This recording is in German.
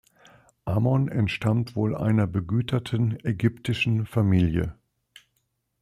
Ammon entstammt wohl einer begüterten ägyptischen Familie.